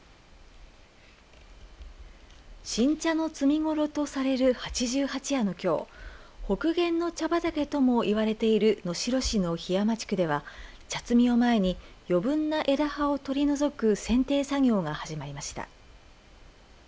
新茶の摘みごろとされる八十八夜のきょう北限の茶畑ともいわれている能代市の桧山地区では茶摘みを前に余分な枝葉を取り除くせんてい作業が始まりました。